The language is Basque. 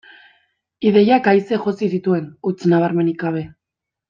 Ideiak aise josi zituen, huts nabarmenik gabe.